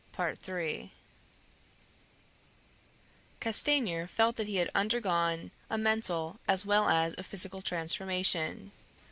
Castanier felt that he had undergone a mental as well as a physical transformation.